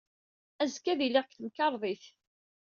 Azekka, ad iliɣ deg temkarḍit.